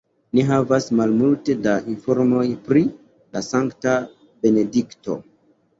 Ni havas malmulte da informoj pri la sankta Benedikto.